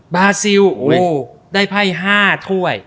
บาซิลได้ไพ่๕ถ้วย